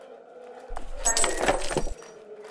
ใช่แล้ว